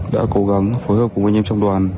đã cố gắng phối hợp cùng anh em trong đoàn